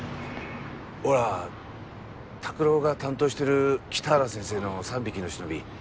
ほら拓郎が担当してる北原先生の『三匹のシノビ』